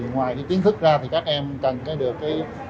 ngoài cái kiến thức ra thì các em cần được